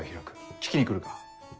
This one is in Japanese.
聴きに来るか？